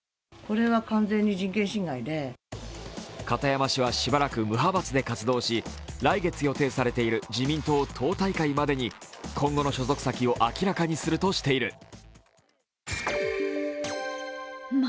片山氏はしばらく無派閥で活動し来月予定されている自民党党大会までに今後の所属先を明らかにするとしている。